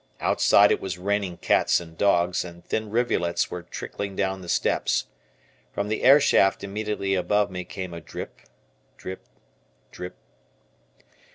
Outside it was raining cats and dogs, and thin rivulets were trickling down the steps. From the airshaft immediately above me came a drip, drip, drip.